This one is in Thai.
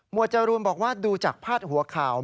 จรูนบอกว่าดูจากพาดหัวข่าว